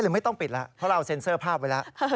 ไม่ต้องปิดแล้วเพราะเราเซ็นเซอร์ภาพไว้แล้ว